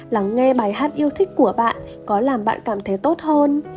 lắng nghe bài hát yêu thích của bạn có làm bạn cảm thấy tốt hơn